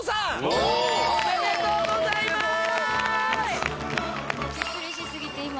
ありがとうございます。